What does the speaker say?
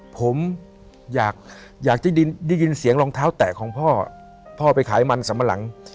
ผมอยากได้ยินเสียงรองเท้าแตกของพ่อพ่อไปขายมันสัมปะหลัง